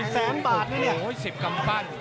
แสนบาทนี่เนี่ย